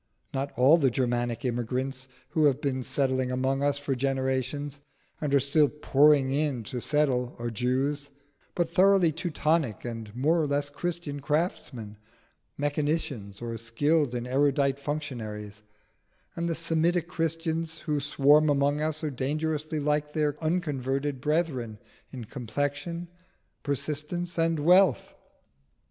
Not all the Germanic immigrants who have been settling among us for generations, and are still pouring in to settle, are Jews, but thoroughly Teutonic and more or less Christian craftsmen, mechanicians, or skilled and erudite functionaries; and the Semitic Christians who swarm among us are dangerously like their unconverted brethren in complexion, persistence, and wealth.